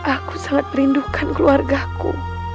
aku sangat merindukan keluarga ku